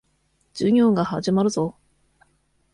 授業が始まるぞ。